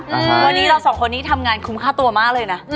วันนี้เราสองคนนี้ทำงานคุ้มค่าตัวมากเลยนะ